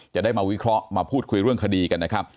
จะได้มาวิเคราะห์มาพูดคุยเรื่องคดีกันนะครับ